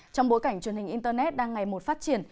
trong bối cảnh truyền hình internet đang ngày một phát triển